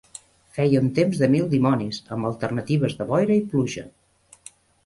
Feia un temps de mil dimonis, amb alternatives de boira i pluja.